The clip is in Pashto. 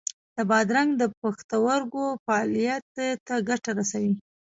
د بادرنګ د پښتورګو فعالیت ته ګټه رسوي.